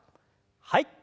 はい。